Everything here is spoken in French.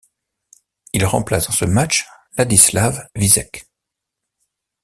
Il remplace dans ce match Ladislav Vízek.